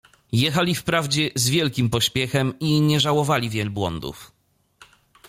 Jechali wprawdzie z wielkim pośpiechem i nie żałowali wielbłądów.